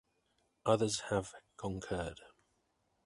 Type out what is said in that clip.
Others have concurred.